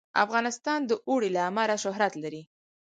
افغانستان د اوړي له امله شهرت لري.